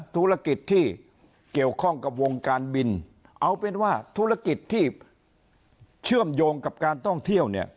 ธุรกิจที่เกี่ยวข้องกับวงการบินเอาเป็นว่าธุรกิจที่เชื่อมโยงกับการท่องเที่ยวเนี่ย